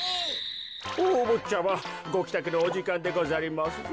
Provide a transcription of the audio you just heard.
おおぼっちゃまごきたくのおじかんでござりますぞ。